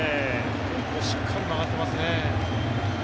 しっかり曲がってますね。